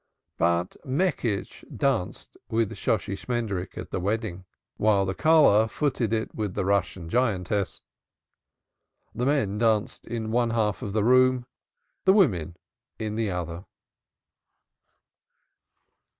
But Meckisch danced with Shosshi Shmendrik at the wedding, while the Calloh footed it with the Russian giantess. The men danced in one half of the room, the women in the other.